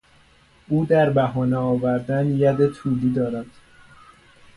او در بهانه آوردن ید طولی دارد.